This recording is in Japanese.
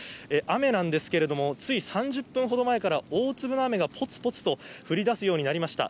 雨なんですけれども、つい３０分ほど前から、大粒の雨がぽつぽつと降りだすようになりました。